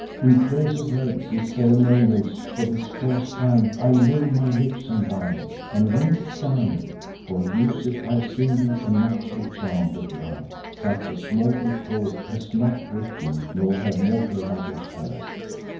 In place of rites and ceremonials for this first time I lay my lips on thine, and when 'tis done, for music I'll sing thee a nuptial chant of love such as mortal poet has not written nor have mortal lovers heard.